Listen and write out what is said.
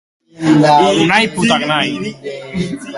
Noiztik ez da ukitu ikastetxeko barneko arautegia?